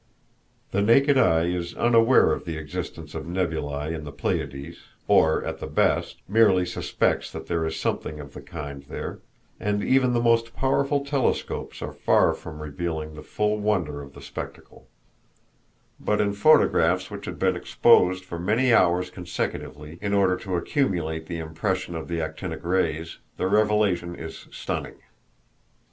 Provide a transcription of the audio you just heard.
The naked eye is unaware of the existence of nebulæ in the Pleiades, or, at the best, merely suspects that there is something of the kind there; and even the most powerful telescopes are far from revealing the full wonder of the spectacle; but in photographs which have been exposed for many hours consecutively, in order to accumulate the impression of the actinic rays, the revelation is stunning.